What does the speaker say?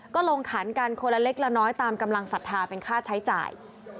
ก็ลงขันกันคนละเล็กละน้อยตามกำลังศรัทธาเป็นค่าใช้จ่าย